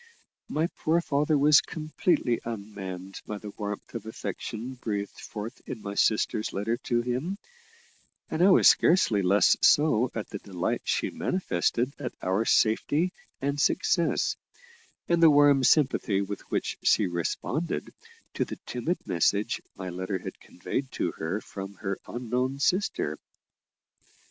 My poor father was completely unmanned by the warmth of affection breathed forth in my sister's letter to him, and I was scarcely less so at the delight she manifested at our safety and success, and the warm sympathy with which she responded to the timid message my letter had conveyed to her from her unknown sister.